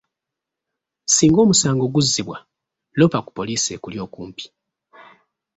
Singa omusango guzzibwa, loopa ku poliisi ekuli okumpi.